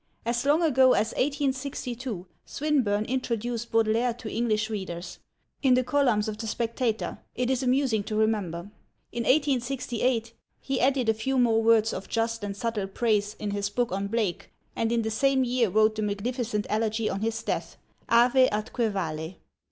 As long ago as 1862 Swinburne introduced Baudelaire to English readers: in the columns of the Spectator, it is amusing to remember. In 1868 he added a few more words of just and subtle praise in his book on Blake, and in the same year wrote the magnificent elegy on his death, Ave atque Vale.